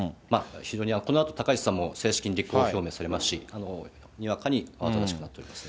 このあと、高市さんも正式に立候補表明されますし、にわかにあわただしくなってますね。